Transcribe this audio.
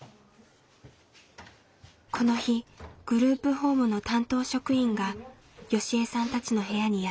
この日グループホームの担当職員がよしえさんたちの部屋にやって来ました。